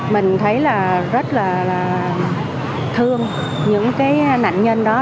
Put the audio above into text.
mình thấy rất là thương những nạn nhân đó